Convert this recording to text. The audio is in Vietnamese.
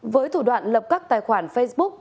với thủ đoạn lập các tài khoản facebook